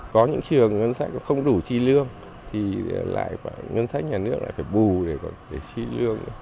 có những trường ngân sách không đủ chi lương thì lại phải ngân sách nhà nước lại phải bù để có cái chi lương